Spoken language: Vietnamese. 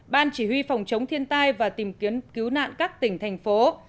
ban chỉ huy phòng chống thiên tai và tìm kiếm cứu nạn các tỉnh thành phố